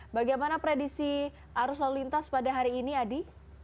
bagaimana prediksi arus lalu lintas pada hari ini adi